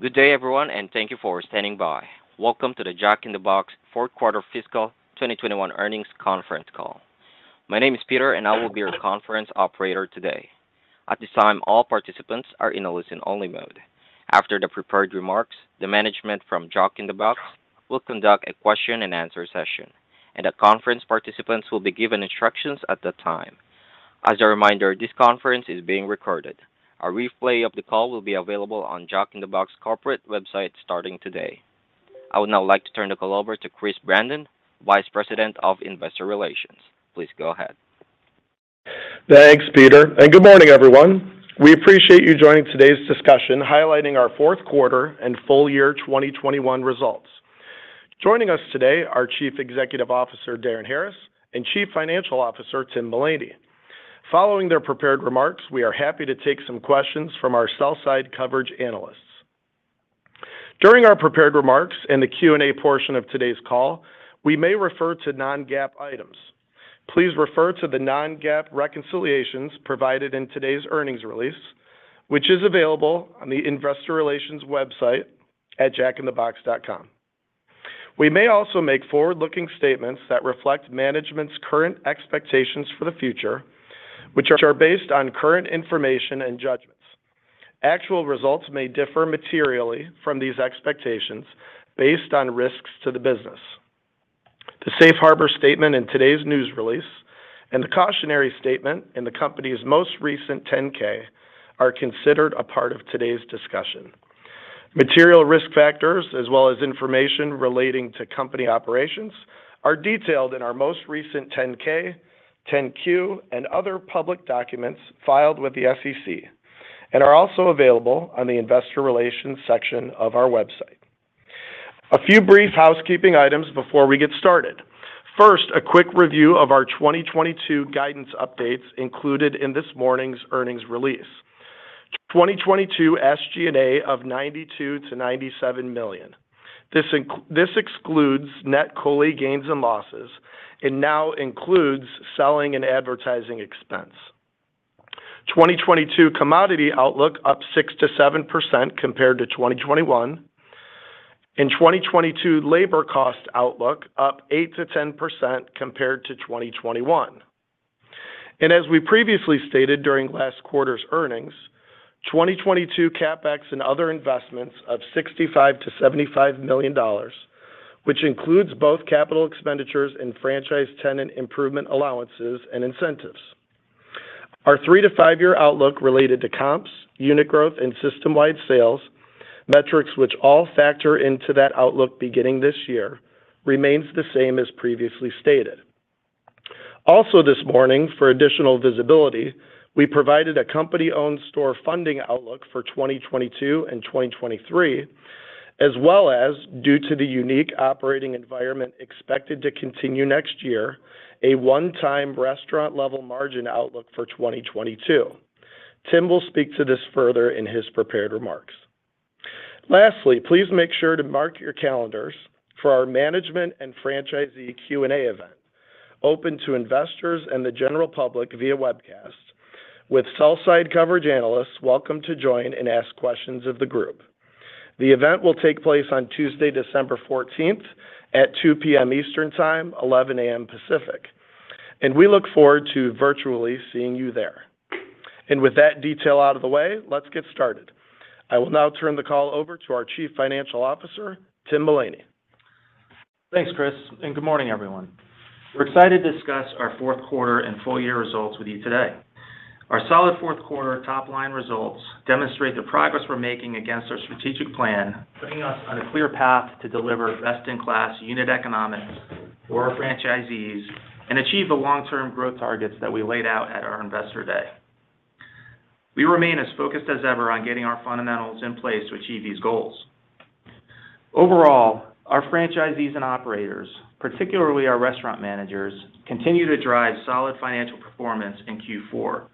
Good day, everyone, and thank you for standing by. Welcome to the Jack in the Box fourth quarter fiscal 2021 earnings conference call. My name is Peter and I will be your conference operator today. At this time, all participants are in a listen-only mode. After the prepared remarks, the management from Jack in the Box will conduct a question and answer session, and the conference participants will be given instructions at that time. As a reminder, this conference is being recorded. A replay of the call will be available on Jack in the Box corporate website starting today. I would now like to turn the call over to Chris Brandon, Vice President of Investor Relations. Please go ahead. Thanks, Peter, and good morning, everyone. We appreciate you joining today's discussion highlighting our fourth quarter and full year 2021 results. Joining us today are Chief Executive Officer Darin Harris and Chief Financial Officer Tim Mullany. Following their prepared remarks, we are happy to take some questions from our sell side coverage analysts. During our prepared remarks and the Q&A portion of today's call, we may refer to non-GAAP items. Please refer to the non-GAAP reconciliations provided in today's earnings release, which is available on the investor relations website at jackinthebox.com. We may also make forward-looking statements that reflect management's current expectations for the future, which are based on current information and judgments. Actual results may differ materially from these expectations based on risks to the business. The safe harbor statement in today's news release and the cautionary statement in the company's most recent 10-K are considered a part of today's discussion. Material risk factors as well as information relating to company operations are detailed in our most recent 10-K, 10-Q, and other public documents filed with the SEC, and are also available on the investor relations section of our website. A few brief housekeeping items before we get started. First, a quick review of our 2022 guidance updates included in this morning's earnings release. 2022 SG&A of $92 million-$97 million. This excludes net COLI gains and losses, and now includes selling and advertising expense. 2022 commodity outlook up 6%-7% compared to 2021. In 2022, labor cost outlook up 8%-10% compared to 2021. As we previously stated during last quarter's earnings, 2022 CapEx and other investments of $65 million-$75 million, which includes both capital expenditures and franchise tenant improvement allowances and incentives. Our 3-5-year outlook related to comps, unit growth, and system-wide sales, metrics which all factor into that outlook beginning this year, remains the same as previously stated. Also this morning, for additional visibility, we provided a company-owned store funding outlook for 2022 and 2023, as well as, due to the unique operating environment expected to continue next year, a one-time restaurant level margin outlook for 2022. Tim will speak to this further in his prepared remarks. Lastly, please make sure to mark your calendars for our management and franchisee Q&A event, open to investors and the general public via webcast, with sell-side coverage analysts welcome to join and ask questions of the group. The event will take place on Tuesday, December 14 at 2:00 P.M. Eastern Time, 11:00 A.M. Pacific, and we look forward to virtually seeing you there. With that detail out of the way, let's get started. I will now turn the call over to our Chief Financial Officer, Tim Mullany. Thanks, Chris, and good morning, everyone. We're excited to discuss our fourth quarter and full year results with you today. Our solid fourth quarter top-line results demonstrate the progress we're making against our strategic plan, putting us on a clear path to deliver best-in-class unit economics for our franchisees and achieve the long-term growth targets that we laid out at our Investor Day. We remain as focused as ever on getting our fundamentals in place to achieve these goals. Overall, our franchisees and operators, particularly our restaurant managers, continue to drive solid financial performance in Q4,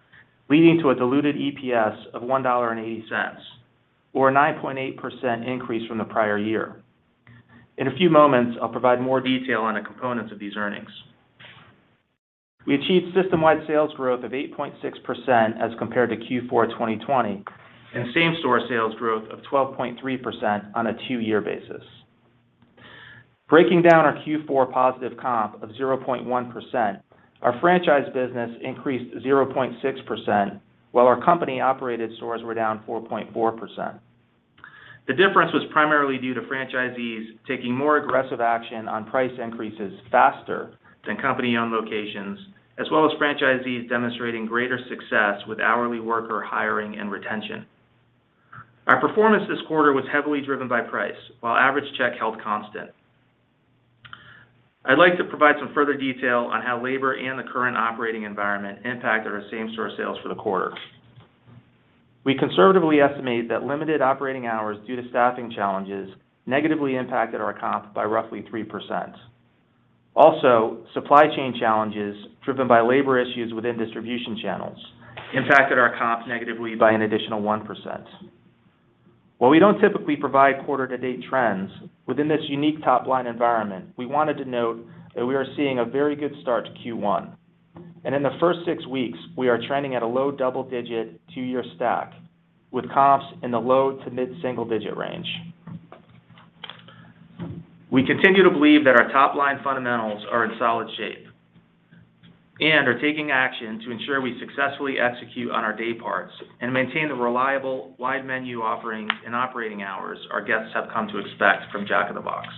leading to a diluted EPS of $1.80 or a 9.8% increase from the prior year. In a few moments, I'll provide more detail on the components of these earnings. We achieved system-wide sales growth of 8.6% as compared to Q4 2020, and same-store sales growth of 12.3% on a two-year basis. Breaking down our Q4 positive comp of 0.1%, our franchise business increased 0.6%, while our company-operated stores were down 4.4%. The difference was primarily due to franchisees taking more aggressive action on price increases faster than company-owned locations, as well as franchisees demonstrating greater success with hourly worker hiring and retention. Our performance this quarter was heavily driven by price while average check held constant. I'd like to provide some further detail on how labor and the current operating environment impacted our same-store sales for the quarter. We conservatively estimate that limited operating hours due to staffing challenges negatively impacted our comp by roughly 3%. Supply chain challenges driven by labor issues within distribution channels impacted our comps negatively by an additional 1%. While we don't typically provide quarter-to-date trends, within this unique top-line environment, we wanted to note that we are seeing a very good start to Q1. In the first 6 weeks, we are trending at a low double-digit two-year stack with comps in the low- to mid-single-digit range. We continue to believe that our top-line fundamentals are in solid shape and are taking action to ensure we successfully execute on our day parts and maintain the reliable wide menu offerings and operating hours our guests have come to expect from Jack in the Box.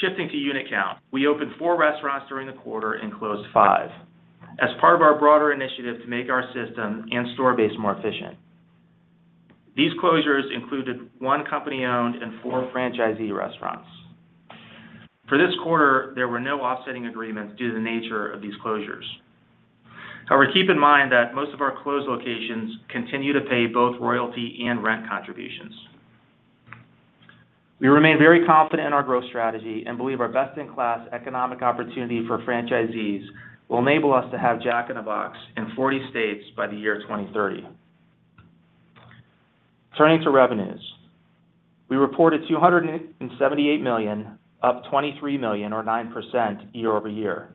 Shifting to unit count, we opened 4 restaurants during the quarter and closed 5 as part of our broader initiative to make our system and store base more efficient. These closures included 1 company-owned and 4 franchisee restaurants. For this quarter, there were no offsetting agreements due to the nature of these closures. However, keep in mind that most of our closed locations continue to pay both royalty and rent contributions. We remain very confident in our growth strategy and believe our best-in-class economic opportunity for franchisees will enable us to have Jack in the Box in 40 states by the year 2030. Turning to revenues. We reported $278 million, up $23 million or 9% year-over-year.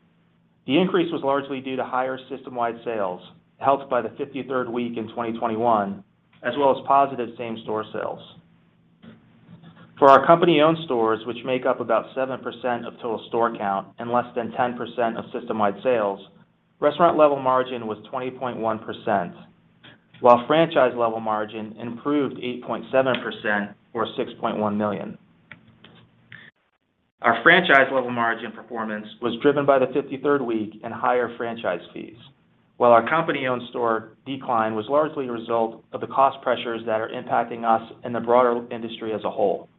The increase was largely due to higher system-wide sales, helped by the 53rd week in 2021, as well as positive same-store sales. For our company-owned stores, which make up about 7% of total store count and less than 10% of system-wide sales, restaurant level margin was 20.1%, while franchise level margin improved 8.7% or $6.1 million. Our franchise level margin performance was driven by the 53rd week and higher franchise fees, while our company-owned store decline was largely a result of the cost pressures that are impacting us and the broader industry as a whole.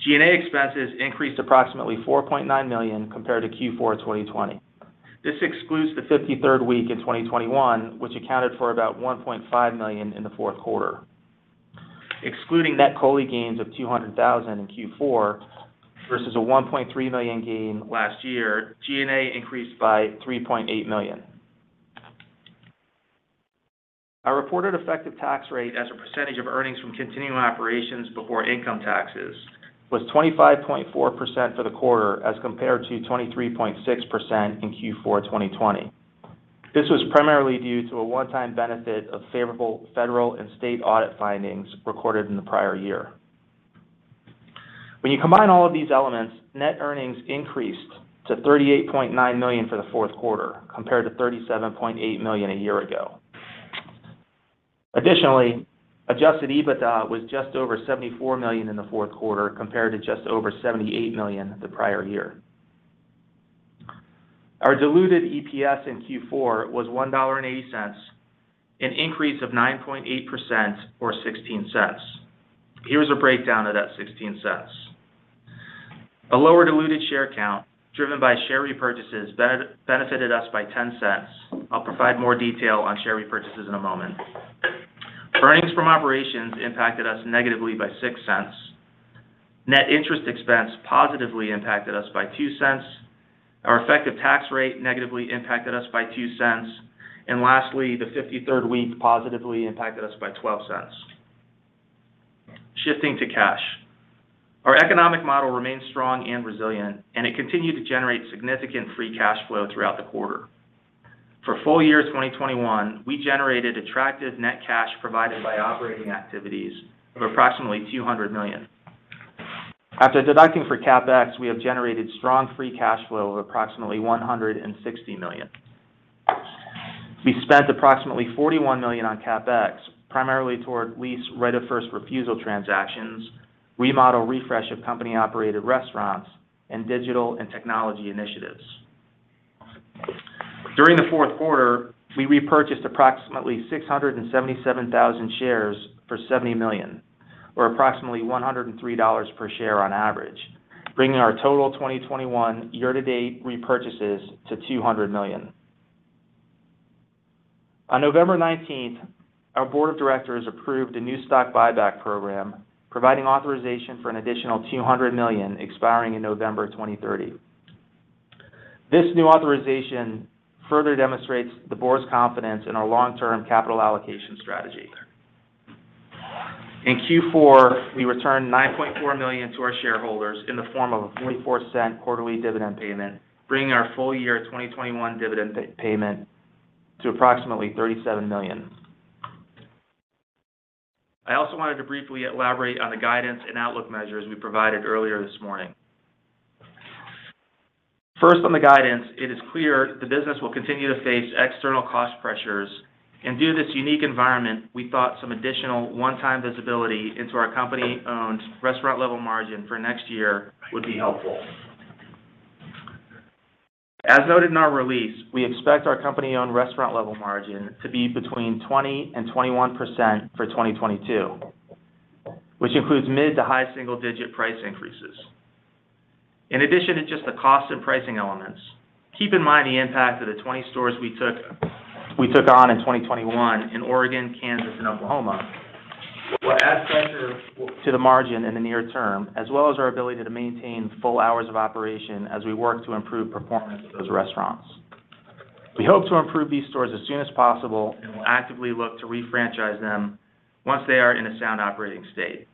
G&A expenses increased approximately $4.9 million compared to Q4 2020. This excludes the 53rd week in 2021, which accounted for about $1.5 million in the fourth quarter. Excluding net COLI gains of $200,000 in Q4 versus a $1.3 million gain last year, G&A increased by $3.8 million. Our reported effective tax rate as a percentage of earnings from continuing operations before income taxes was 25.4% for the quarter as compared to 23.6% in Q4 2020. This was primarily due to a one-time benefit of favorable federal and state audit findings recorded in the prior year. When you combine all of these elements, net earnings increased to $38.9 million for the fourth quarter compared to $37.8 million a year ago. Additionally, adjusted EBITDA was just over $74 million in the fourth quarter compared to just over $78 million the prior year. Our diluted EPS in Q4 was $1.80, an increase of 9.8% or 16 cents. Here's a breakdown of that 16 cents. A lower diluted share count driven by share repurchases benefited us by 10 cents. I'll provide more detail on share repurchases in a moment. Earnings from operations impacted us negatively by $0.06. Net interest expense positively impacted us by $0.02. Our effective tax rate negatively impacted us by $0.02. Lastly, the fifty-third week positively impacted us by $0.12. Shifting to cash. Our economic model remains strong and resilient, and it continued to generate significant free cash flow throughout the quarter. For full year 2021, we generated attractive net cash provided by operating activities of approximately $200 million. After deducting for CapEx, we have generated strong free cash flow of approximately $160 million. We spent approximately $41 million on CapEx, primarily toward lease right of first refusal transactions, remodel refresh of company-operated restaurants, and digital and technology initiatives. During the fourth quarter, we repurchased approximately 677,000 shares for $70 million, or approximately $103 per share on average, bringing our total 2021 year-to-date repurchases to $200 million. On November 19, our board of directors approved a new stock buyback program, providing authorization for an additional $200 million expiring in November 2030. This new authorization further demonstrates the board's confidence in our long-term capital allocation strategy. In Q4, we returned $9.4 million to our shareholders in the form of a $0.44 quarterly dividend payment, bringing our full year 2021 dividend payment to approximately $37 million. I also wanted to briefly elaborate on the guidance and outlook measures we provided earlier this morning. First, on the guidance, it is clear the business will continue to face external cost pressures. Due to this unique environment, we thought some additional one-time visibility into our company-owned restaurant level margin for next year would be helpful. As noted in our release, we expect our company-owned restaurant level margin to be between 20% and 21% for 2022, which includes mid- to high-single-digit price increases. In addition to just the cost and pricing elements, keep in mind the impact of the 20 stores we took on in 2021 in Oregon, Kansas and Oklahoma will add pressure to the margin in the near term, as well as our ability to maintain full hours of operation as we work to improve performance of those restaurants. We hope to improve these stores as soon as possible and will actively look to re-franchise them once they are in a sound operating state.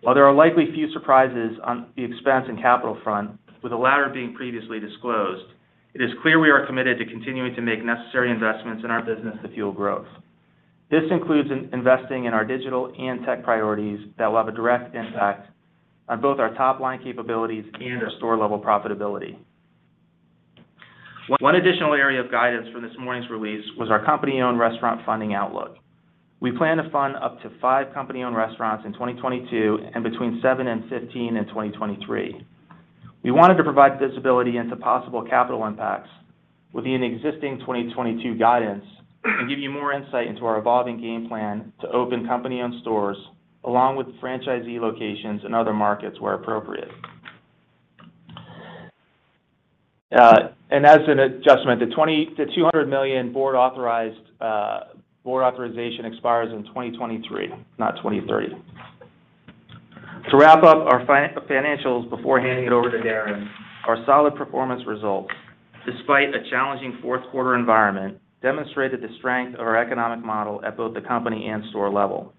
While there are likely few surprises on the expense and capital front, with the latter being previously disclosed, it is clear we are committed to continuing to make necessary investments in our business to fuel growth. This includes investing in our digital and tech priorities that will have a direct impact on both our top-line capabilities and our store-level profitability. One additional area of guidance from this morning's release was our company-owned restaurant funding outlook. We plan to fund up to five company-owned restaurants in 2022 and between seven and 15 in 2023. We wanted to provide visibility into possible capital impacts within existing 2022 guidance and give you more insight into our evolving game plan to open company-owned stores along with franchisee locations in other markets where appropriate. As an adjustment, the $200 million board authorized board authorization expires in 2023, not 2030. To wrap up our financials before handing it over to Darin, our solid performance results, despite a challenging fourth quarter environment, demonstrated the strength of our economic model at both the company and store level.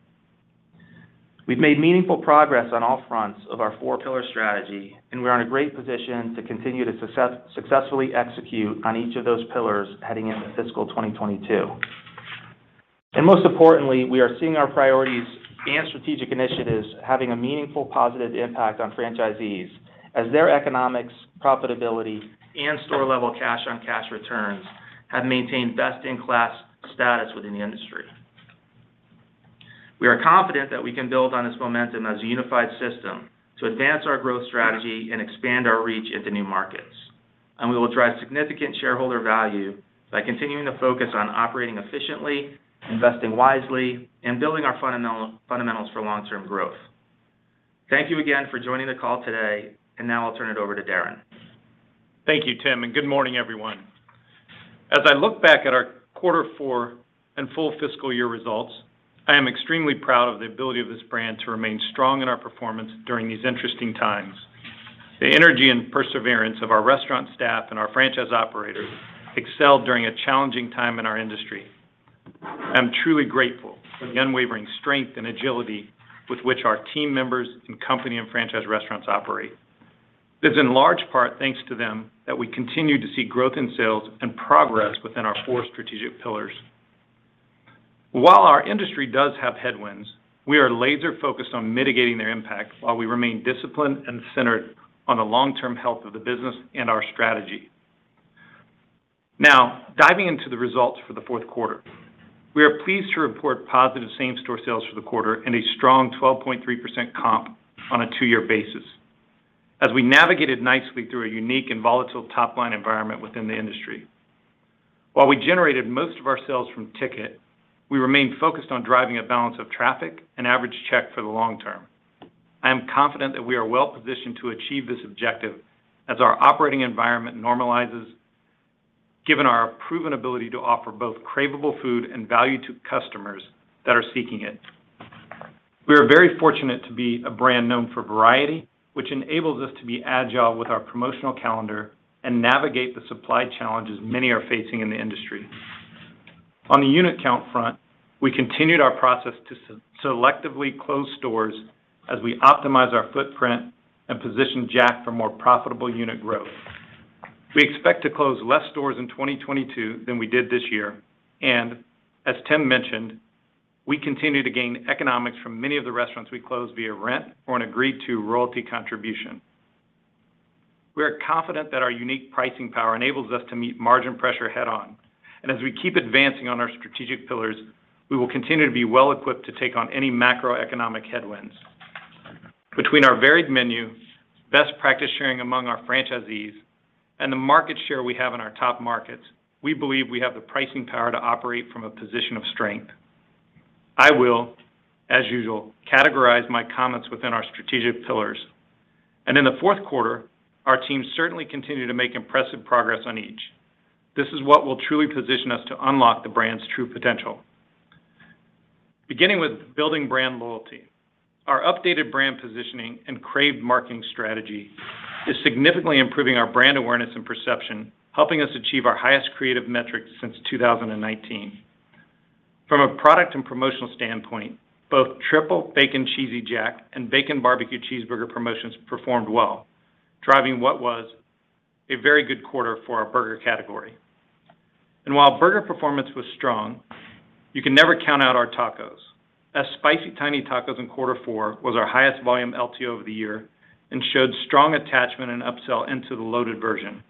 We've made meaningful progress on all fronts of our four-pillar strategy, and we are in a great position to continue to successfully execute on each of those pillars heading into fiscal 2022. Most importantly, we are seeing our priorities and strategic initiatives having a meaningful positive impact on franchisees as their economics, profitability, and store-level cash-on-cash returns have maintained best-in-class status within the industry. We are confident that we can build on this momentum as a unified system to advance our growth strategy and expand our reach into new markets. We will drive significant shareholder value by continuing to focus on operating efficiently, investing wisely, and building our fundamentals for long-term growth. Thank you again for joining the call today, and now I'll turn it over to Darin. Thank you, Tim, and good morning, everyone. As I look back at our quarter four and full fiscal year results, I am extremely proud of the ability of this brand to remain strong in our performance during these interesting times. The energy and perseverance of our restaurant staff and our franchise operators excelled during a challenging time in our industry. I'm truly grateful for the unwavering strength and agility with which our team members and company and franchise restaurants operate. It's in large part thanks to them that we continue to see growth in sales and progress within our four strategic pillars. While our industry does have headwinds, we are laser-focused on mitigating their impact while we remain disciplined and centered on the long-term health of the business and our strategy. Now, diving into the results for the fourth quarter. We are pleased to report positive same-store sales for the quarter and a strong 12.3% comp on a two-year basis as we navigated nicely through a unique and volatile top-line environment within the industry. While we generated most of our sales from ticket, we remain focused on driving a balance of traffic and average check for the long term. I am confident that we are well positioned to achieve this objective as our operating environment normalizes, given our proven ability to offer both craveable food and value to customers that are seeking it. We are very fortunate to be a brand known for variety, which enables us to be agile with our promotional calendar and navigate the supply challenges many are facing in the industry. On the unit count front, we continued our process to selectively close stores as we optimize our footprint and position Jack for more profitable unit growth. We expect to close less stores in 2022 than we did this year, and as Tim mentioned, we continue to gain economics from many of the restaurants we closed via rent or an agreed to royalty contribution. We are confident that our unique pricing power enables us to meet margin pressure head on. As we keep advancing on our strategic pillars, we will continue to be well equipped to take on any macroeconomic headwinds. Between our varied menu, best practice sharing among our franchisees, and the market share we have in our top markets, we believe we have the pricing power to operate from a position of strength. I will, as usual, categorize my comments within our strategic pillars. In the fourth quarter, our team certainly continued to make impressive progress on each. This is what will truly position us to unlock the brand's true potential. Beginning with building brand loyalty, our updated brand positioning and crave marketing strategy is significantly improving our brand awareness and perception, helping us achieve our highest creative metrics since 2019. From a product and promotional standpoint, both Triple Bacon Cheesy Jack and Bacon Barbecue Cheeseburger promotions performed well, driving what was a very good quarter for our burger category. While burger performance was strong, you can never count out our tacos. As Spicy Tiny Tacos in quarter four was our highest volume LTO of the year and showed strong attachment and upsell into the loaded version.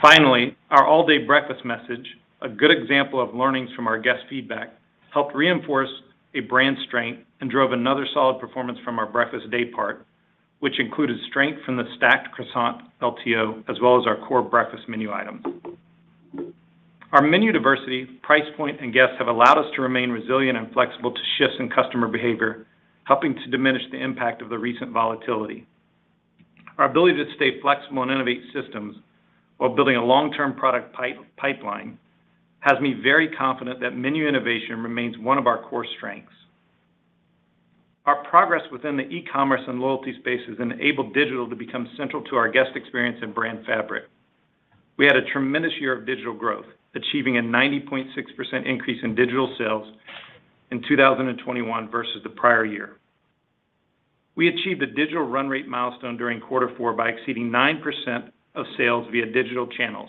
Finally, our all-day breakfast message, a good example of learnings from our guest feedback, helped reinforce a brand strength and drove another solid performance from our breakfast day part, which included strength from the Stacked Croissant LTO, as well as our core breakfast menu items. Our menu diversity, price point, and guests have allowed us to remain resilient and flexible to shifts in customer behavior, helping to diminish the impact of the recent volatility. Our ability to stay flexible and innovate systems while building a long-term product pipeline has me very confident that menu innovation remains one of our core strengths. Our progress within the e-commerce and loyalty space has enabled digital to become central to our guest experience and brand fabric. We had a tremendous year of digital growth, achieving a 90.6% increase in digital sales in 2021 versus the prior year. We achieved a digital run rate milestone during quarter four by exceeding 9% of sales via digital channels.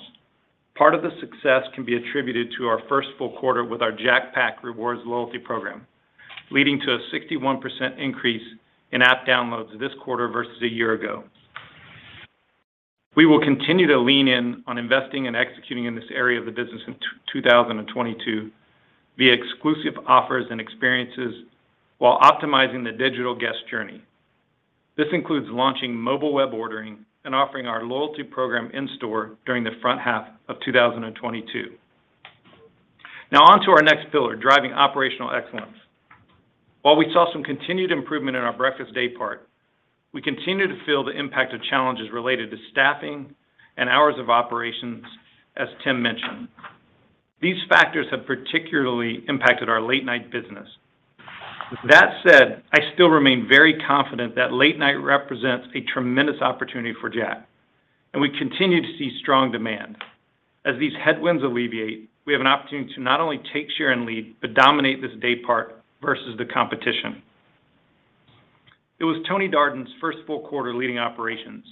Part of the success can be attributed to our first full quarter with our Jack Pack rewards loyalty program, leading to a 61% increase in app downloads this quarter versus a year ago. We will continue to lean in on investing and executing in this area of the business in 2022 via exclusive offers and experiences while optimizing the digital guest journey. This includes launching mobile web ordering and offering our loyalty program in store during the front half of 2022. Now on to our next pillar, driving operational excellence. While we saw some continued improvement in our breakfast daypart, we continue to feel the impact of challenges related to staffing and hours of operations, as Tim mentioned. These factors have particularly impacted our late night business. With that said, I still remain very confident that late night represents a tremendous opportunity for Jack, and we continue to see strong demand. As these headwinds alleviate, we have an opportunity to not only take share and lead, but dominate this day part versus the competition. It was Tony Darden's first full quarter leading operations,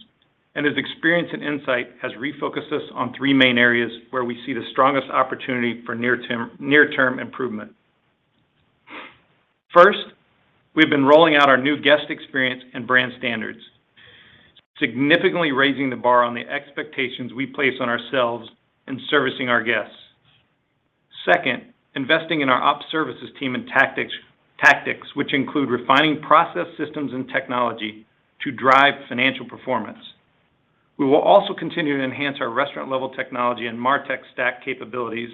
and his experience and insight has refocused us on three main areas where we see the strongest opportunity for near-term improvement. First, we've been rolling out our new guest experience and brand standards, significantly raising the bar on the expectations we place on ourselves in servicing our guests. Second, investing in our operations services team and tactics, which include refining process systems and technology to drive financial performance. We will also continue to enhance our restaurant-level technology and MarTech stack capabilities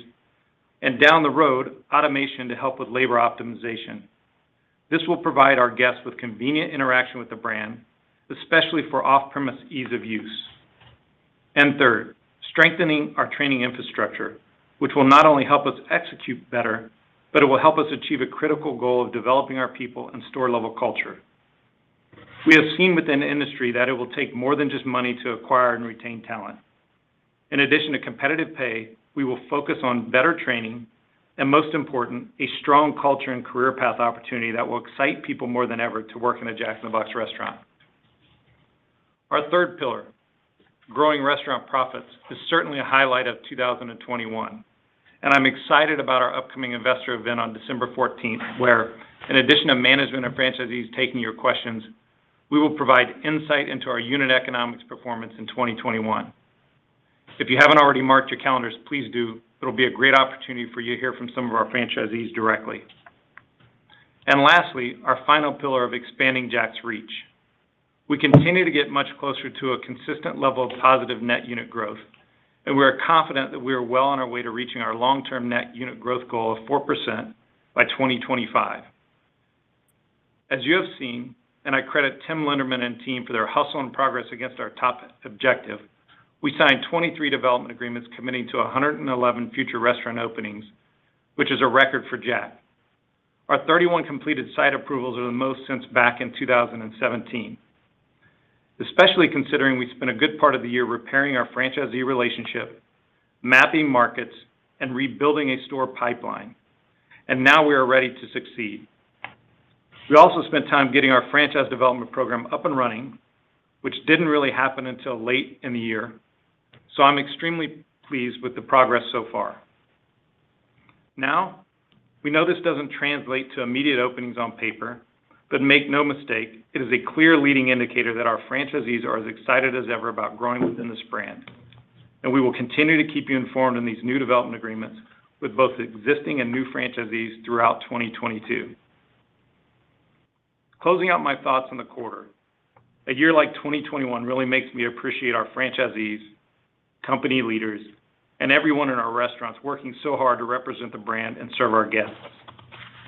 and, down the road, automation to help with labor optimization. This will provide our guests with convenient interaction with the brand, especially for off-premise ease of use. Third, strengthening our training infrastructure, which will not only help us execute better, but it will help us achieve a critical goal of developing our people and store-level culture. We have seen within the industry that it will take more than just money to acquire and retain talent. In addition to competitive pay, we will focus on better training and, most important, a strong culture and career path opportunity that will excite people more than ever to work in a Jack in the Box restaurant. Our third pillar, growing restaurant profits, is certainly a highlight of 2021, and I'm excited about our upcoming investor event on December 14, where in addition to management and franchisees taking your questions, we will provide insight into our unit economics performance in 2021. If you haven't already marked your calendars, please do. It'll be a great opportunity for you to hear from some of our franchisees directly. Lastly, our final pillar of expanding Jack's reach. We continue to get much closer to a consistent level of positive net unit growth, and we are confident that we are well on our way to reaching our long-term net unit growth goal of 4% by 2025. As you have seen, I credit Tim Linderman and team for their hustle and progress against our top objective. We signed 23 development agreements committing to 111 future restaurant openings, which is a record for Jack. Our 31 completed site approvals are the most since back in 2017, especially considering we spent a good part of the year repairing our franchisee relationship, mapping markets, and rebuilding a store pipeline, and now we are ready to succeed. We also spent time getting our franchise development program up and running, which didn't really happen until late in the year, so I'm extremely pleased with the progress so far. Now, we know this doesn't translate to immediate openings on paper, but make no mistake, it is a clear leading indicator that our franchisees are as excited as ever about growing within this brand, and we will continue to keep you informed on these new development agreements with both existing and new franchisees throughout 2022. Closing out my thoughts on the quarter, a year like 2021 really makes me appreciate our franchisees, company leaders, and everyone in our restaurants working so hard to represent the brand and serve our guests.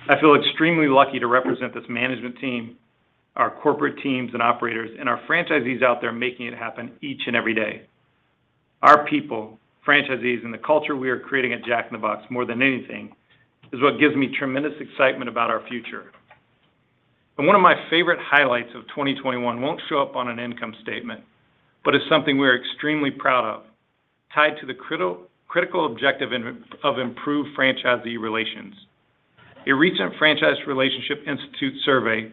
I feel extremely lucky to represent this management team, our corporate teams and operators, and our franchisees out there making it happen each and every day. Our people, franchisees, and the culture we are creating at Jack in the Box more than anything is what gives me tremendous excitement about our future. One of my favorite highlights of 2021 won't show up on an income statement, but it's something we're extremely proud of, tied to the critical objective of improved franchisee relations. A recent Franchise Relationships Institute survey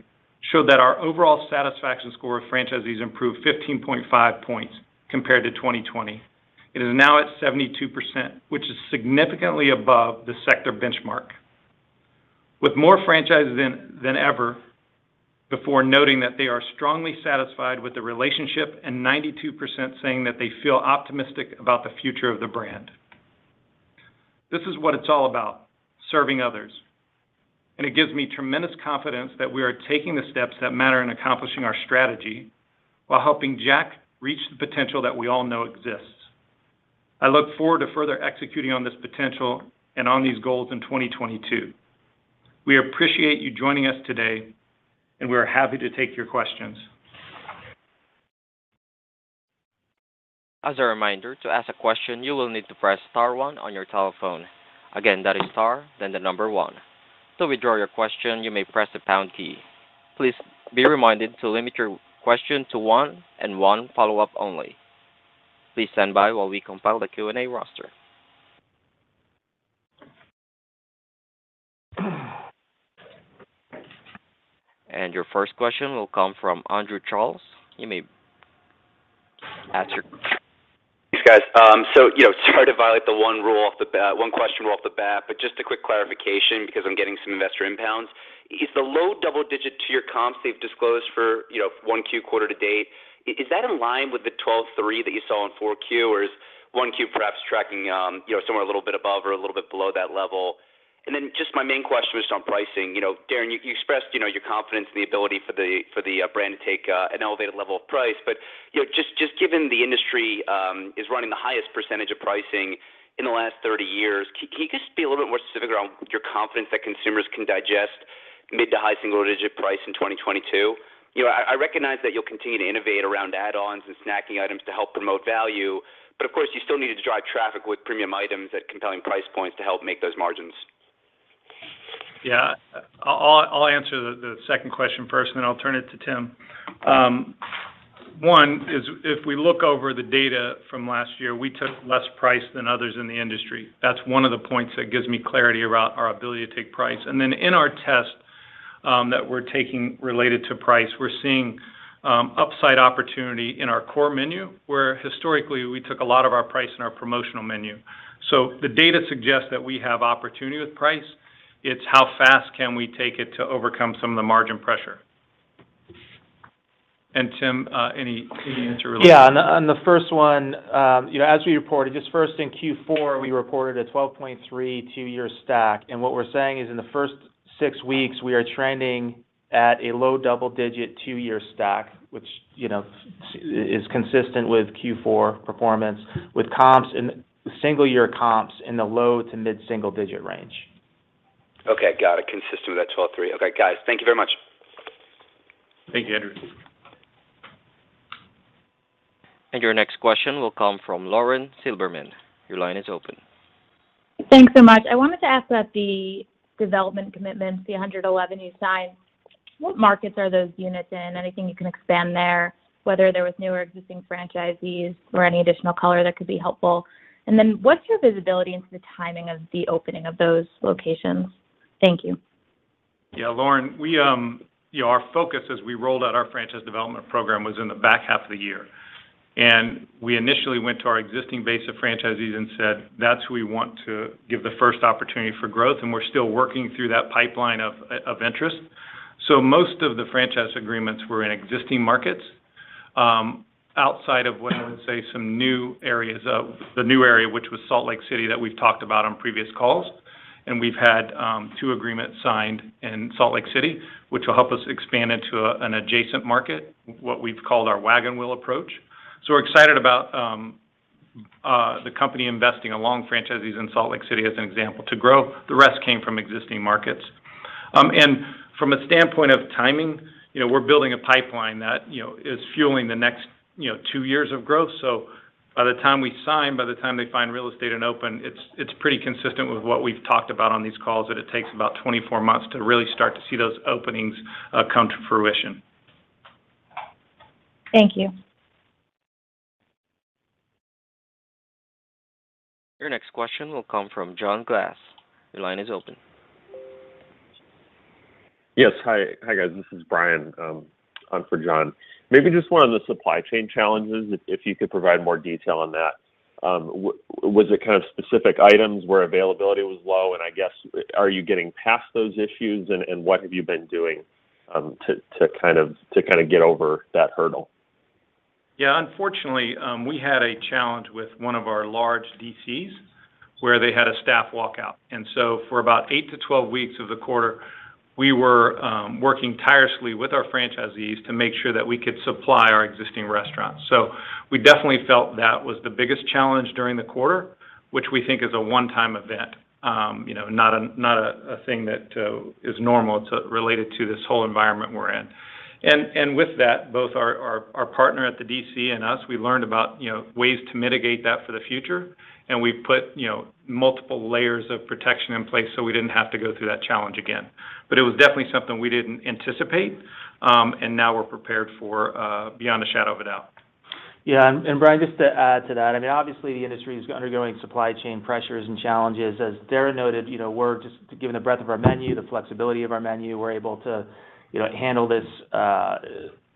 showed that our overall satisfaction score of franchisees improved 15.5 points compared to 2020. It is now at 72%, which is significantly above the sector benchmark. With more franchises than ever before noting that they are strongly satisfied with the relationship and 92% saying that they feel optimistic about the future of the brand. This is what it's all about, serving others, and it gives me tremendous confidence that we are taking the steps that matter in accomplishing our strategy while helping Jack reach the potential that we all know exists. I look forward to further executing on this potential and on these goals in 2022. We appreciate you joining us today, and we are happy to take your questions. As a reminder, to ask a question, you will need to press star one on your telephone. Again, that is star, then the number one. To withdraw your question, you may press the pound key. Please be reminded to limit your question to one and one follow-up only. Please stand by while we compile the Q&A roster. Your first question will come from Andrew Charles. You may ask your- Thanks, guys. You know, sorry to violate the one question rule off the bat, but just a quick clarification because I'm getting some investor inbounds. Is the low double-digit two-year comps they've disclosed for 1Q quarter to date in line with the 12.3 that you saw in 4Q, or is 1Q perhaps tracking somewhere a little bit above or a little bit below that level? Just my main question was on pricing. You know, Darin, you expressed your confidence in the ability for the brand to take an elevated level of price. You know, just given the industry is running the highest percentage of pricing in the last 30 years, can you just be a little bit more specific around your confidence that consumers can digest mid- to high-single-digit pricing in 2022? You know, I recognize that you'll continue to innovate around add-ons and snacking items to help promote value, but of course, you still need to drive traffic with premium items at compelling price points to help make those margins. Yeah. I'll answer the second question first, then I'll turn it to Tim. One is if we look over the data from last year, we took less price than others in the industry. That's one of the points that gives me clarity around our ability to take price. Then in our test that we're taking related to price, we're seeing upside opportunity in our core menu, where historically we took a lot of our price in our promotional menu. The data suggests that we have opportunity with price. It's how fast can we take it to overcome some of the margin pressure. Tim, any answer related- On the first one, you know, as we reported, just first in Q4, we reported a 12.3% two-year stack. What we're saying is in the first six weeks, we are trending at a low-double-digit two-year stack, which, you know, is consistent with Q4 performance with single-year comps in the low- to mid-single-digit range. Okay. Got it. Consistent with that 12.3. Okay, guys. Thank you very much. Thank you, Andrew. Your next question will come from Lauren Silberman. Your line is open. Thanks so much. I wanted to ask about the development commitments, the 111 you signed. What markets are those units in? Anything you can expand there, whether there was new or existing franchisees or any additional color that could be helpful. What's your visibility into the timing of the opening of those locations? Thank you. Yeah. Lauren, we, you know, our focus as we rolled out our franchise development program was in the back half of the year. We initially went to our existing base of franchisees and said, "That's who we want to give the first opportunity for growth," and we're still working through that pipeline of interest. Most of the franchise agreements were in existing markets, outside of what I would say some new areas of the new area, which was Salt Lake City that we've talked about on previous calls. We've had two agreements signed in Salt Lake City, which will help us expand into an adjacent market, what we've called our wagon wheel approach. We're excited about the company investing along franchisees in Salt Lake City as an example to grow. The rest came from existing markets. From a standpoint of timing, you know, we're building a pipeline that, you know, is fueling the next, you know, two years of growth. By the time we sign, by the time they find real estate and open, it's pretty consistent with what we've talked about on these calls that it takes about 24 months to really start to see those openings come to fruition. Thank you. Your next question will come from John Glass. Your line is open. Yes. Hi. Hi, guys. This is Brian on for John. Maybe just one on the supply chain challenges, if you could provide more detail on that. Was it kind of specific items where availability was low? What have you been doing to kind of get over that hurdle? Yeah, unfortunately, we had a challenge with one of our large DCs where they had a staff walkout. For about 8-12 weeks of the quarter, we were working tirelessly with our franchisees to make sure that we could supply our existing restaurants. We definitely felt that was the biggest challenge during the quarter, which we think is a one-time event, you know, not a thing that is normal related to this whole environment we're in. With that, both our partner at the DC and us, we learned about ways to mitigate that for the future. We've put multiple layers of protection in place, so we didn't have to go through that challenge again. It was definitely something we didn't anticipate, and now we're prepared for, beyond a shadow of a doubt. Yeah. Brian, just to add to that, I mean, obviously the industry is undergoing supply chain pressures and challenges. As Darin noted, you know, we're given the breadth of our menu, the flexibility of our menu, we're able to, you know, handle this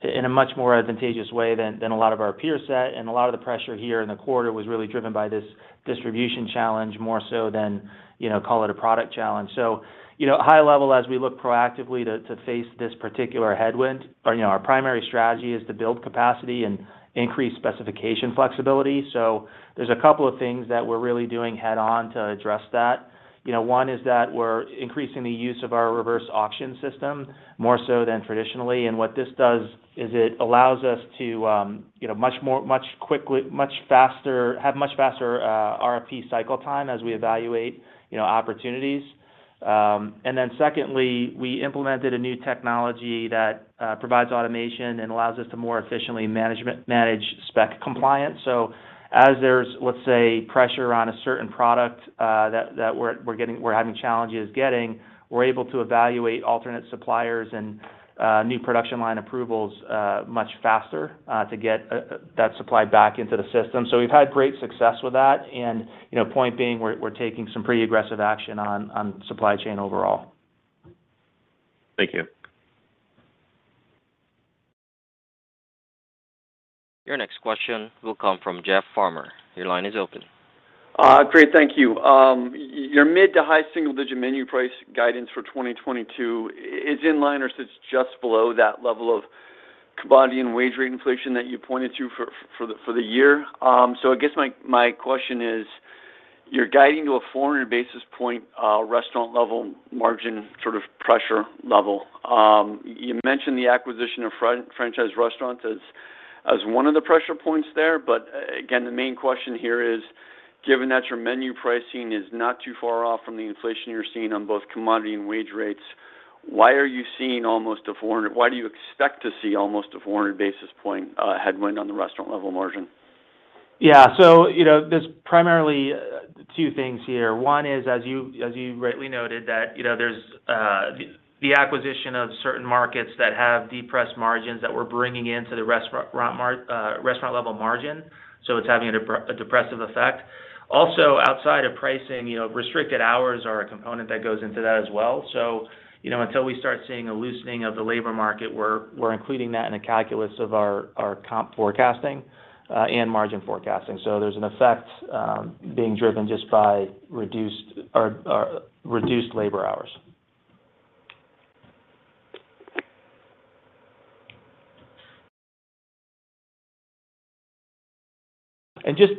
in a much more advantageous way than a lot of our peer set. A lot of the pressure here in the quarter was really driven by this distribution challenge, more so than, you know, call it a product challenge. You know, high level as we look proactively to face this particular headwind or, you know, our primary strategy is to build capacity and increase specification flexibility. There's a couple of things that we're really doing head on to address that. You know, one is that we're increasing the use of our reverse auction system more so than traditionally. What this does is it allows us to, you know, much faster RFP cycle time as we evaluate, you know, opportunities. Secondly, we implemented a new technology that provides automation and allows us to more efficiently manage spec compliance. As there's, let's say, pressure on a certain product that we're having challenges getting, we're able to evaluate alternate suppliers and new production line approvals much faster to get that supply back into the system. We've had great success with that. You know, point being, we're taking some pretty aggressive action on supply chain overall. Thank you. Your next question will come from Jeff Farmer. Your line is open. Great, thank you. Your mid- to high single-digit menu price guidance for 2022 is in line or sits just below that level of commodity and wage rate inflation that you pointed to for the year. So I guess my question is, you're guiding to a 400 basis point restaurant level margin sort of pressure level. You mentioned the acquisition of franchise restaurants as one of the pressure points there. Again, the main question here is, given that your menu pricing is not too far off from the inflation you're seeing on both commodity and wage rates, why do you expect to see almost a 400 basis point headwind on the restaurant level margin? Yeah. You know, there's primarily two things here. One is, as you rightly noted that, you know, there's the acquisition of certain markets that have depressed margins that we're bringing into the restaurant level margin, so it's having a depressive effect. Also, outside of pricing, you know, restricted hours are a component that goes into that as well. You know, until we start seeing a loosening of the labor market, we're including that in the calculus of our comp forecasting and margin forecasting. There's an effect being driven just by reduced labor hours.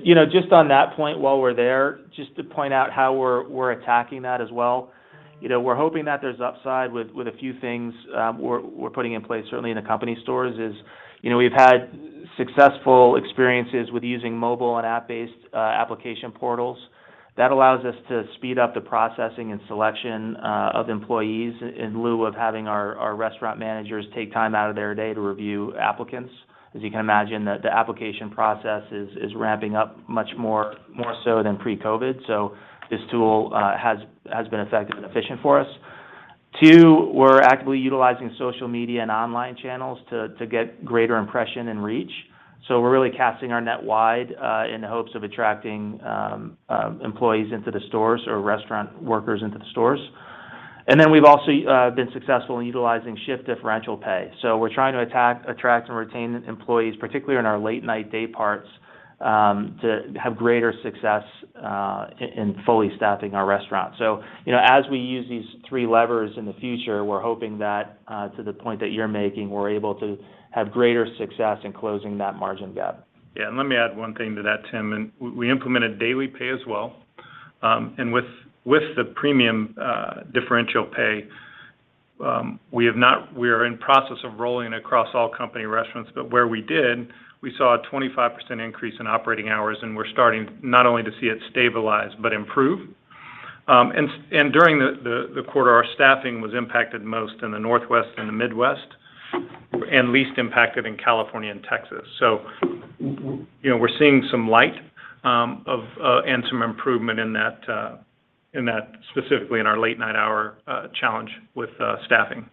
You know, just on that point while we're there, just to point out how we're attacking that as well. You know, we're hoping that there's upside with a few things we're putting in place certainly in the company stores. You know, we've had successful experiences with using mobile and app-based application portals. That allows us to speed up the processing and selection of employees in lieu of having our restaurant managers take time out of their day to review applicants. As you can imagine, the application process is ramping up much more so than pre-COVID. This tool has been effective and efficient for us. Two, we're actively utilizing social media and online channels to get greater impression and reach. We're really casting our net wide in the hopes of attracting employees into the stores or restaurant workers into the stores. We've also been successful in utilizing shift differential pay. We're trying to attract and retain employees, particularly in our late night day parts, to have greater success in fully staffing our restaurants. You know, as we use these three levers in the future, we're hoping that to the point that you're making, we're able to have greater success in closing that margin gap. Yeah. Let me add one thing to that, Tim. We implemented daily pay as well. With the premium differential pay, we are in process of rolling across all company restaurants. Where we did, we saw a 25% increase in operating hours, and we're starting not only to see it stabilize but improve. During the quarter, our staffing was impacted most in the Northwest and the Midwest, and least impacted in California and Texas. We, you know, we're seeing some light and some improvement in that, specifically in our late night hour challenge with staffing.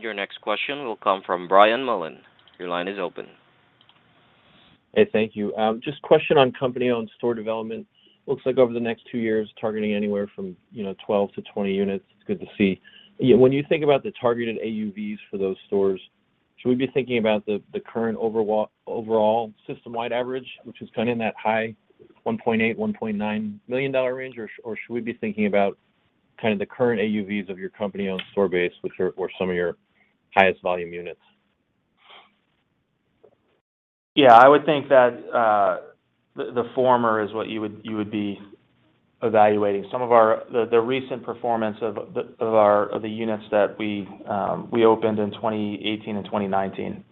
Your next question will come from Brian Mullan. Your line is open. Hey, thank you. Just a question on company-owned store development. Looks like over the next two years, targeting anywhere from, you know, 12-20 units. It's good to see. When you think about the targeted AUVs for those stores, should we be thinking about the current overall system-wide average, which is kind of in that high $1.8-$1.9 million range, or should we be thinking about kind of the current AUVs of your company-owned store base, which were some of your highest volume units? Yeah, I would think that the former is what you would be evaluating. The recent performance of our units that we opened in 2018 and 2019.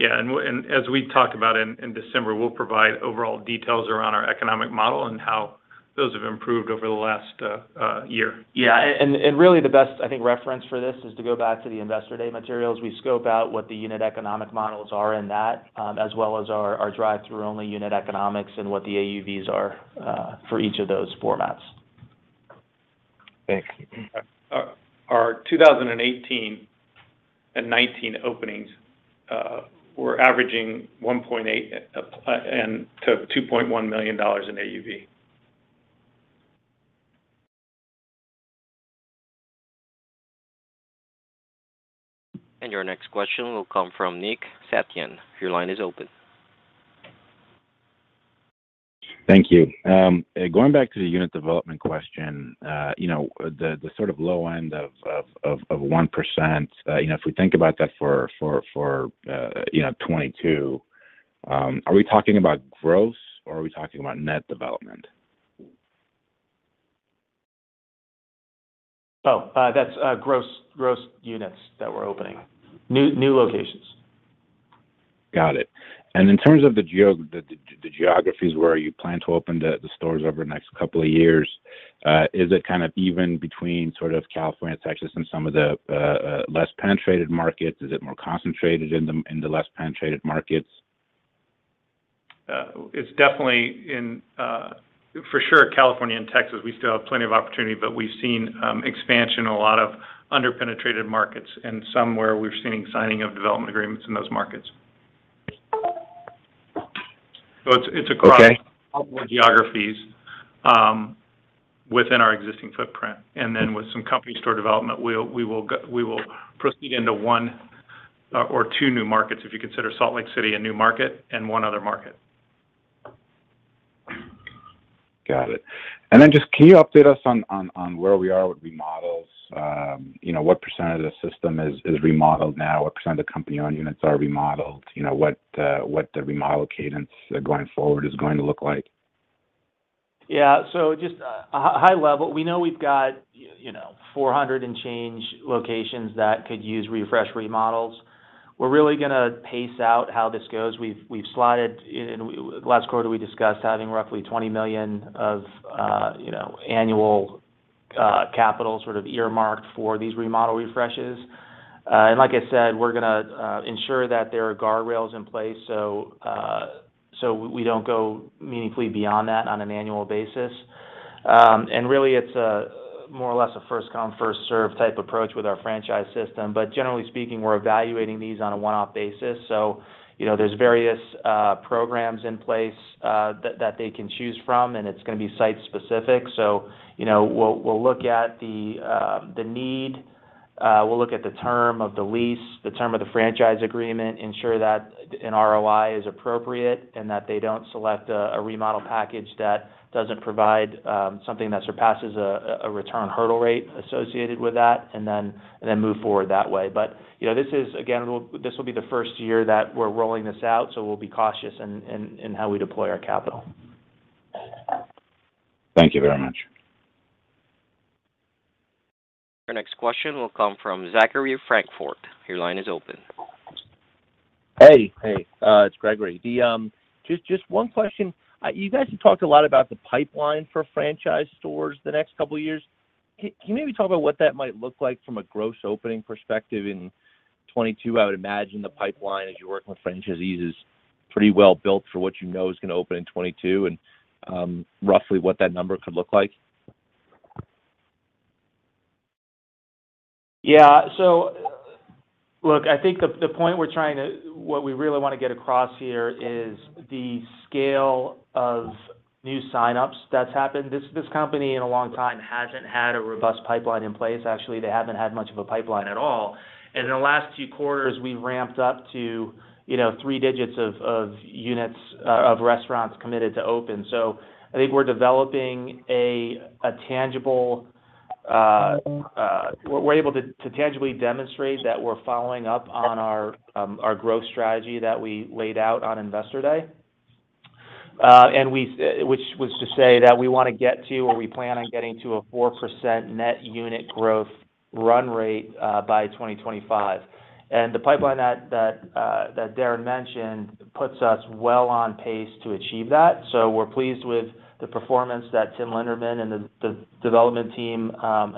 As we talked about in December, we'll provide overall details around our economic model and how those have improved over the last year. Really the best, I think, reference for this is to go back to the Investor Day materials. We scope out what the unit economic models are in that, as well as our drive-thru only unit economics and what the AUVs are, for each of those formats. Thanks. Our 2018 and 2019 openings were averaging $1.8 million-$2.1 million in AUV. Your next question will come from Nick Setyan. Your line is open. Thank you. Going back to the unit development question, you know, the sort of low end of 1%, you know, if we think about that for 22, are we talking about gross, or are we talking about net development? Oh, that's gross units that we're opening. New locations. Got it. In terms of the geographies where you plan to open the stores over the next couple of years, is it kind of even between sort of California, Texas, and some of the less penetrated markets? Is it more concentrated in the less penetrated markets? It's definitely in, for sure, California and Texas. We still have plenty of opportunity, but we've seen expansion in a lot of under-penetrated markets and some where we're seeing signing of development agreements in those markets. It's across- Okay. Geographies within our existing footprint. Then with some company store development, we will proceed into one or two new markets, if you consider Salt Lake City a new market and one other market. Got it. Just can you update us on where we are with remodels? You know, what percentage of the system is remodeled now? What percent of the company-owned units are remodeled? You know, what the remodel cadence going forward is going to look like? Yeah. Just a high level. We know we've got you know 400 and change locations that could use refresh remodels. We're really gonna pace out how this goes. We've slotted. In last quarter, we discussed having roughly $20 million of you know annual capital sort of earmarked for these remodel refreshes. And like I said, we're gonna ensure that there are guardrails in place so we don't go meaningfully beyond that on an annual basis. And really it's more or less a first come, first served type approach with our franchise system. Generally speaking, we're evaluating these on a one-off basis. You know, there's various programs in place that they can choose from, and it's gonna be site specific. You know, we'll look at the term of the lease, the term of the franchise agreement, ensure that an ROI is appropriate and that they don't select a remodel package that doesn't provide something that surpasses a return hurdle rate associated with that, and then move forward that way. You know, this will be the first year that we're rolling this out, so we'll be cautious in how we deploy our capital. Thank you very much. Your next question will come from Gregory Francfort. Your line is open. Hey. Hey. It's Gregory. Just one question. You guys have talked a lot about the pipeline for franchise stores the next couple of years. Can you maybe talk about what that might look like from a gross opening perspective in 2022? I would imagine the pipeline as you work with franchisees is pretty well built for what you know is gonna open in 2022, and roughly what that number could look like? Yeah. Look, I think what we really wanna get across here is the scale of new signups that's happened. This company in a long time hasn't had a robust pipeline in place. Actually, they haven't had much of a pipeline at all. In the last few quarters, we've ramped up to, you know, three digits of units of restaurants committed to open. I think we're able to tangibly demonstrate that we're following up on our growth strategy that we laid out on Investor Day. Which was to say that we wanna get to, or we plan on getting to a 4% net unit growth run rate, by 2025. The pipeline that Darin mentioned puts us well on pace to achieve that. We're pleased with the performance that Tim Linderman and the development team have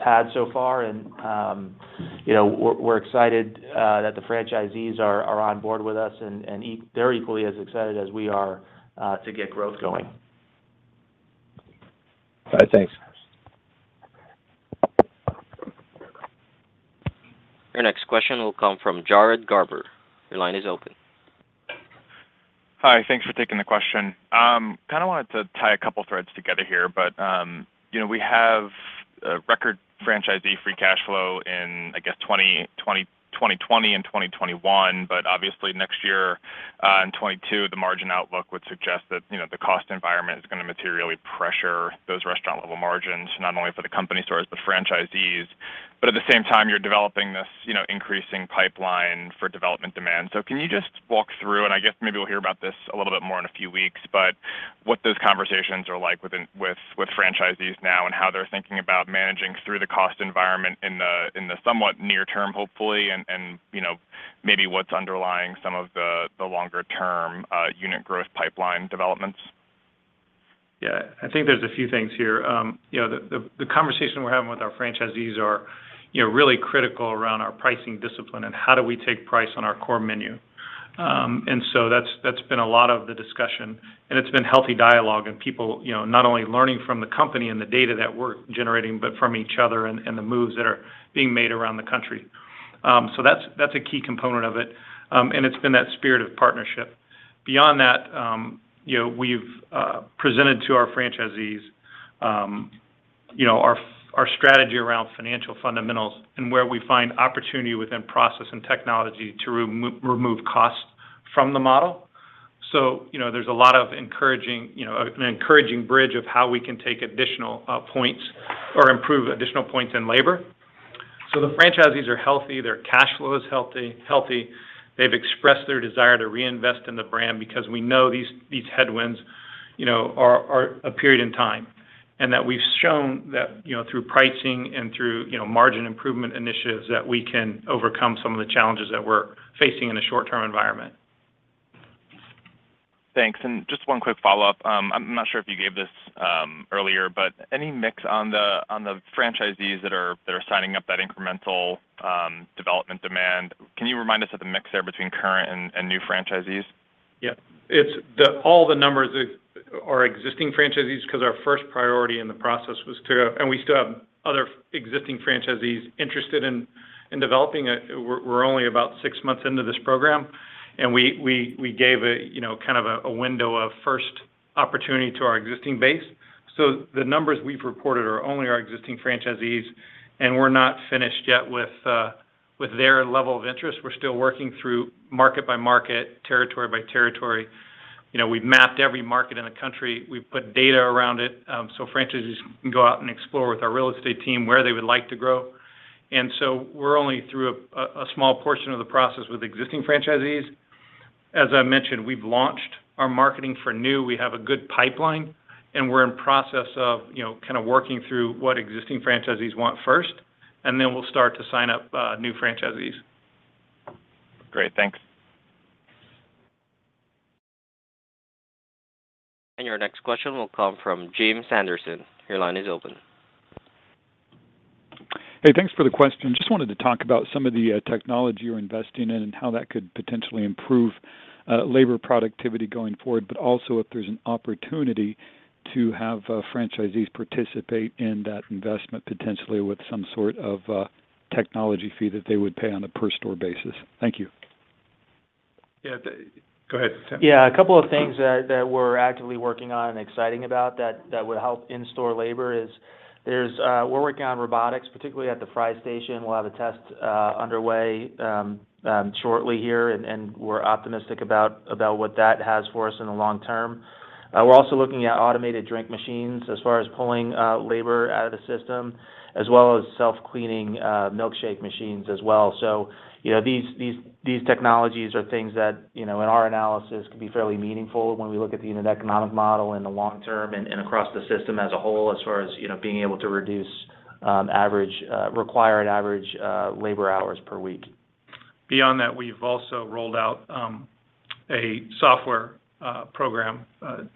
had so far. You know, we're excited that the franchisees are on board with us and they're equally as excited as we are to get growth going. All right. Thanks. Your next question will come from Jared Garber. Your line is open. Hi. Thanks for taking the question. Kind of wanted to tie a couple threads together here, but you know, we have a record franchisee free cash flow in, I guess, 2020 and 2021, but obviously next year, in 2022, the margin outlook would suggest that, you know, the cost environment is gonna materially pressure those restaurant level margins, not only for the company stores, but franchisees. At the same time, you're developing this, you know, increasing pipeline for development demand. Can you just walk through, and I guess maybe we'll hear about this a little bit more in a few weeks, but what those conversations are like with franchisees now and how they're thinking about managing through the cost environment in the somewhat near term, hopefully, and you know, maybe what's underlying some of the longer term unit growth pipeline developments? Yeah. I think there's a few things here. You know, the conversation we're having with our franchisees are really critical around our pricing discipline and how do we take price on our core menu. That's been a lot of the discussion, and it's been healthy dialogue and people, you know, not only learning from the company and the data that we're generating, but from each other and the moves that are being made around the country. That's a key component of it. It's been that spirit of partnership. Beyond that, you know, we've presented to our franchisees, you know, our strategy around financial fundamentals and where we find opportunity within process and technology to remove cost from the model. You know, there's a lot of encouraging, you know, an encouraging bridge of how we can take additional points or improve additional points in labor. The franchisees are healthy, their cash flow is healthy. They've expressed their desire to reinvest in the brand because we know these headwinds, you know, are a period in time. That we've shown that, you know, through pricing and through, you know, margin improvement initiatives, that we can overcome some of the challenges that we're facing in a short-term environment. Thanks. Just one quick follow-up. I'm not sure if you gave this earlier, but any mix on the franchisees that are signing up that incremental development demand. Can you remind us of the mix there between current and new franchisees? Yeah. It's all the numbers are existing franchisees because our first priority in the process was to existing franchisees. We still have other existing franchisees interested in developing. We're only about six months into this program, and we gave a, you know, kind of a window of first opportunity to our existing base. The numbers we've reported are only our existing franchisees, and we're not finished yet with their level of interest. We're still working through market by market, territory by territory. You know, we've mapped every market in the country. We've put data around it, so franchisees can go out and explore with our real estate team where they would like to grow. We're only through a small portion of the process with existing franchisees. As I mentioned, we've launched our marketing for new. We have a good pipeline, and we're in process of, you know, kind of working through what existing franchisees want first, and then we'll start to sign up new franchisees. Great. Thanks. Your next question will come from Jim Sanderson. Your line is open. Hey, thanks for the question. Just wanted to talk about some of the technology you're investing in and how that could potentially improve labor productivity going forward, but also if there's an opportunity to have franchisees participate in that investment, potentially with some sort of technology fee that they would pay on a per store basis. Thank you. Yeah. Go ahead, Tim. Yeah. A couple of things that we're actively working on and exciting about that would help in-store labor. We're working on robotics, particularly at the fry station. We'll have a test underway shortly here, and we're optimistic about what that has for us in the long term. We're also looking at automated drink machines as far as pulling labor out of the system, as well as self-cleaning milkshake machines as well. You know, these technologies are things that, you know, in our analysis could be fairly meaningful when we look at the unit economic model in the long term and across the system as a whole as far as, you know, being able to reduce average required average labor hours per week. Beyond that, we've also rolled out a software program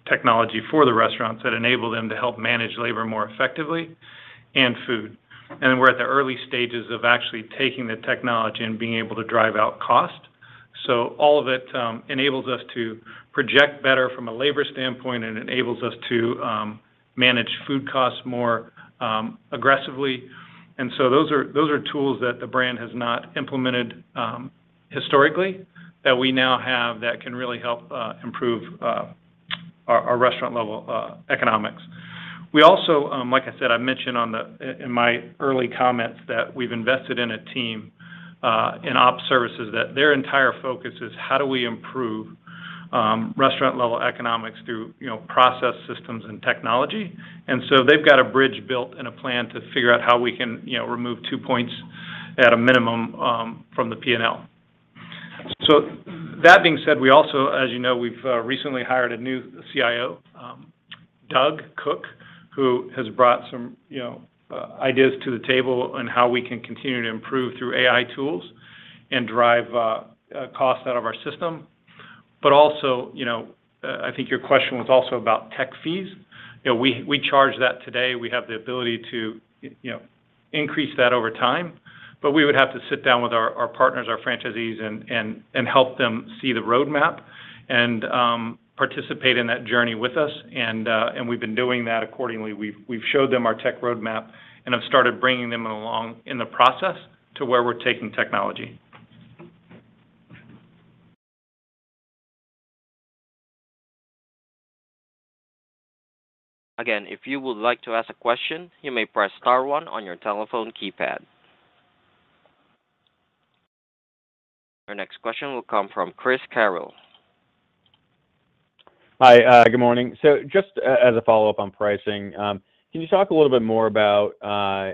technology for the restaurants that enable them to help manage labor more effectively and food. We're at the early stages of actually taking the technology and being able to drive out cost. All of it enables us to project better from a labor standpoint and enables us to manage food costs more aggressively. Those are tools that the brand has not implemented historically that we now have that can really help improve our restaurant level economics. We also, like I said, I mentioned in my early comments that we've invested in a team in op services that their entire focus is how do we improve restaurant level economics through you know process systems and technology. They've got a bridge built and a plan to figure out how we can, you know, remove 2 points at a minimum from the P&L. That being said, we also, as you know, we've recently hired a new CIO, Doug Couk, who has brought some, you know, ideas to the table on how we can continue to improve through AI tools and drive costs out of our system. Also, you know, I think your question was also about tech fees. You know, we charge that today. We have the ability to, you know, increase that over time. We would have to sit down with our partners, our franchisees, and help them see the roadmap and participate in that journey with us. We've been doing that accordingly. We've showed them our tech roadmap and have started bringing them along in the process to where we're taking technology. Again, if you would like to ask a question, you may press star one on your telephone keypad. Your next question will come from Chris Carroll. Hi. Good morning. Just as a follow-up on pricing, can you talk a little bit more about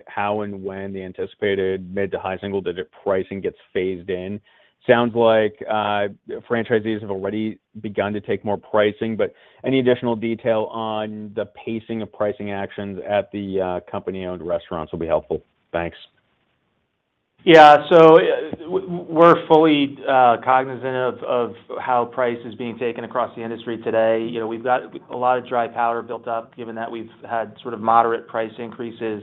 how and when the anticipated mid to high single digit pricing gets phased in? Sounds like franchisees have already begun to take more pricing, but any additional detail on the pacing of pricing actions at the company-owned restaurants will be helpful. Thanks. Yeah. We're fully cognizant of how price is being taken across the industry today. You know, we've got a lot of dry powder built up, given that we've had sort of moderate price increases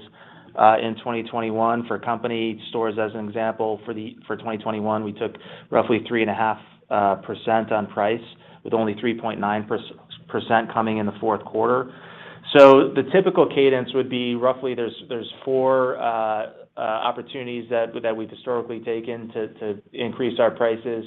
in 2021 for company stores as an example. For 2021, we took roughly 3.5% on price, with only 3.9% coming in the fourth quarter. The typical cadence would be roughly there's four opportunities that we've historically taken to increase our prices.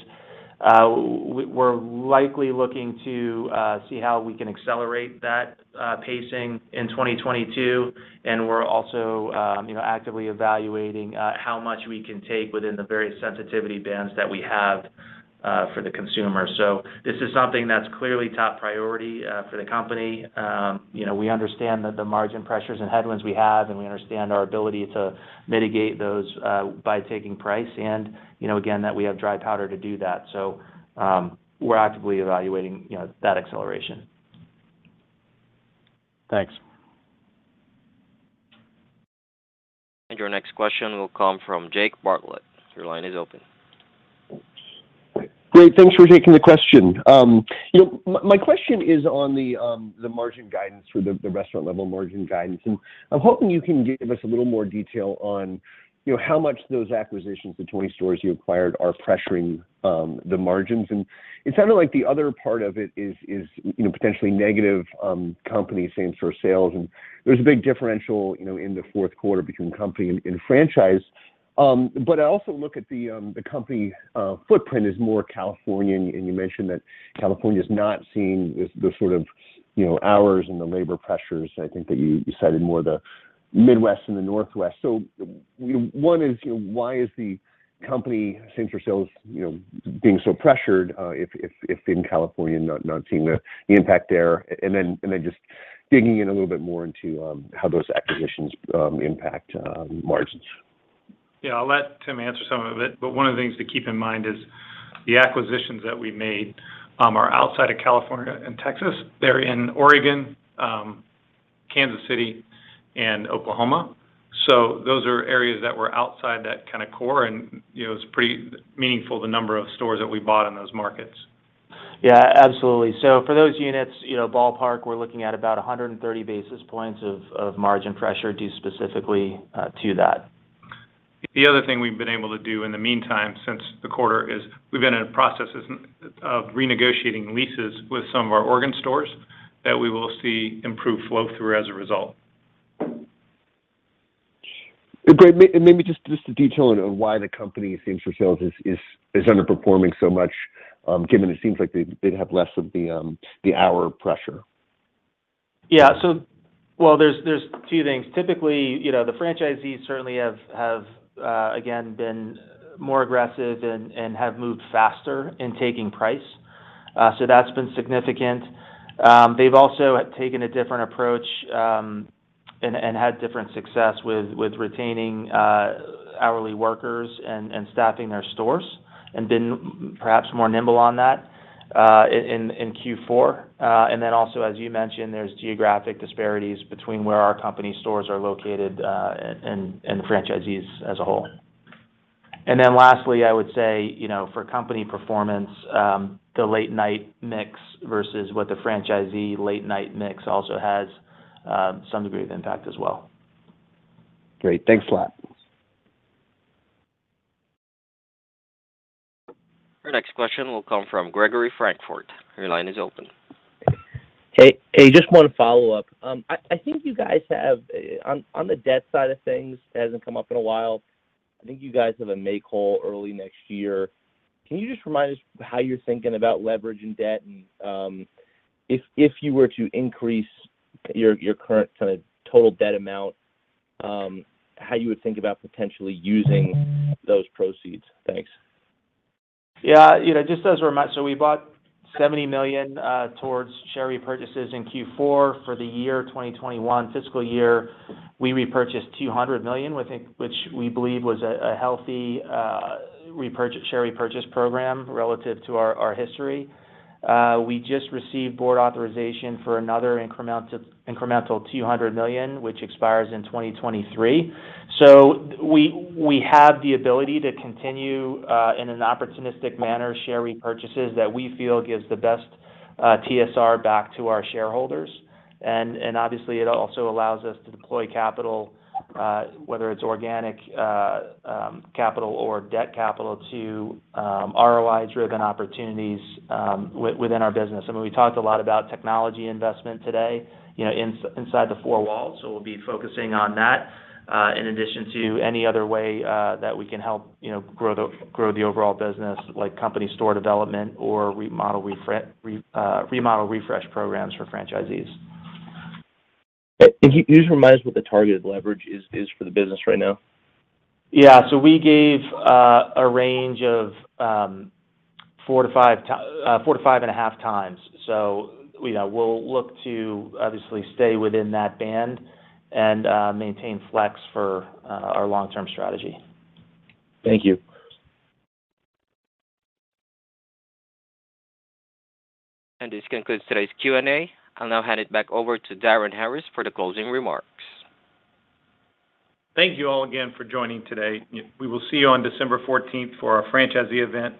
We're likely looking to see how we can accelerate that pacing in 2022. We're also you know, actively evaluating how much we can take within the various sensitivity bands that we have for the consumer. This is something that's clearly top priority for the company. You know, we understand that the margin pressures and headwinds we have, and we understand our ability to mitigate those by taking price and, you know, again, that we have dry powder to do that. We're actively evaluating, you know, that acceleration. Thanks. Your next question will come from Jake Bartlett. Your line is open. Great. Thanks for taking the question. You know, my question is on the margin guidance for the restaurant level margin guidance. I'm hoping you can give us a little more detail on, you know, how much those acquisitions, the 20 stores you acquired, are pressuring the margins. It sounded like the other part of it is, you know, potentially negative company same-store sales. There's a big differential, you know, in the fourth quarter between company and franchise. I also look at the company footprint is more Californian, and you mentioned that California's not seeing the sort of, you know, hours and the labor pressures. I think that you said it more the Midwest and the Northwest. One is, you know, why is the company's same-store sales, you know, being so pressured, if in California not seeing the impact there? Just digging in a little bit more into how those acquisitions impact margins. Yeah. I'll let Tim answer some of it. One of the things to keep in mind is the acquisitions that we made are outside of California and Texas. They're in Oregon, Kansas City and Oklahoma. Those are areas that were outside that kind of core and, you know, it's pretty meaningful, the number of stores that we bought in those markets. Yeah, absolutely. For those units, you know, ballpark, we're looking at about 130 basis points of margin pressure due specifically to that. The other thing we've been able to do in the meantime since the quarter is we've been in a process of renegotiating leases with some of our Oregon stores that we will see improved flow through as a result. Great. Maybe just a detail on why the company same-store sales is underperforming so much, given it seems like they'd have less of the labor pressure. Well, there's two things. Typically, you know, the franchisees certainly have again been more aggressive and have moved faster in taking price. That's been significant. They've also taken a different approach and had different success with retaining hourly workers and staffing their stores, and been perhaps more nimble on that in Q4. As you mentioned, there's geographic disparities between where our company stores are located and franchisees as a whole. Lastly, I would say, you know, for company performance, the late night mix versus what the franchisee late night mix also has some degree of impact as well. Great. Thanks a lot. Our next question will come from Gregory Francfort. Your line is open. Hey. Hey, just one follow-up. I think on the debt side of things, it hasn't come up in a while. I think you guys have a make whole early next year. Can you just remind us how you're thinking about leverage and debt? If you were to increase your current kind of total debt amount, how you would think about potentially using those proceeds? Thanks. Yeah. You know, we bought $70 million towards share repurchases in Q4. For the year 2021 fiscal year, we repurchased $200 million, we think, which we believe was a healthy share repurchase program relative to our history. We just received board authorization for another incremental $200 million, which expires in 2023. We have the ability to continue in an opportunistic manner share repurchases that we feel gives the best TSR back to our shareholders. Obviously, it also allows us to deploy capital whether it's organic capital or debt capital to ROI-driven opportunities within our business. I mean, we talked a lot about technology investment today, you know, inside the four walls. We'll be focusing on that, in addition to any other way that we can help, you know, grow the overall business, like company store development or remodel refresh programs for franchisees. Can you just remind us what the targeted leverage is for the business right now? Yeah. We gave a range of 4-5.5x. You know, we'll look to obviously stay within that band and maintain flex for our long-term strategy. Thank you. This concludes today's Q&A. I'll now hand it back over to Darin Harris for the closing remarks. Thank you all again for joining today. We will see you on December 14 for our franchisee event,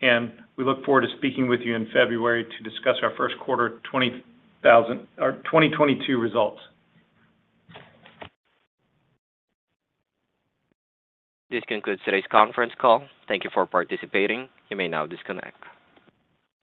and we look forward to speaking with you in February to discuss our first quarter 2022 results. This concludes today's conference call. Thank you for participating. You may now disconnect.